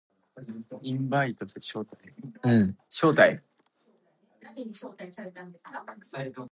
It is typically open from July to September.